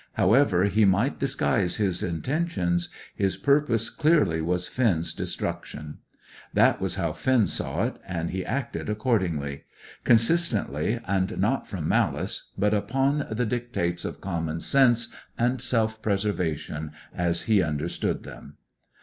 However he might disguise his intentions, his purpose clearly was Finn's destruction. That was how Finn saw it, and he acted accordingly; consistently, and not from malice, but upon the dictates of common sense and self preservation, as he understood them.